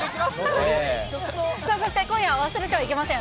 さあ、そして今夜、忘れてはいけません。